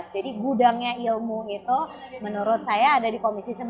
jadi gudangnya ilmu itu menurut saya ada di komisi sebelas